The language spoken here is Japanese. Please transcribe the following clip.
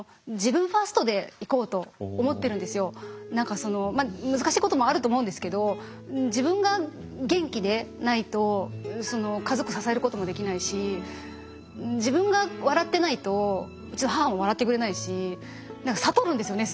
とにかくまあ難しいこともあると思うんですけど自分が元気でないと家族支えることもできないし自分が笑ってないとうちの母も笑ってくれないし何か悟るんですよね